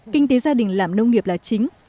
kinh tế gia đình làm nông nghiệp là chính